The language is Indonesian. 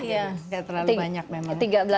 iya nggak terlalu banyak memang